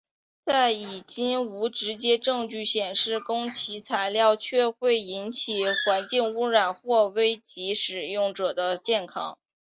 但迄今无直接的证据显示汞齐材料确会引起环境污染或危及使用者的健康。